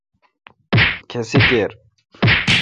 کھسی کیر۔